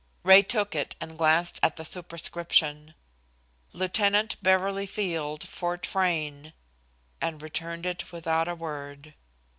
Ray took it and glanced at the superscription. "Lieutenant Beverly Field, Fort Frayne," and returned it without a word.